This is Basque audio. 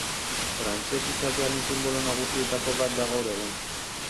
Frantses izatearen sinbolo nagusietako bat da gaur egun.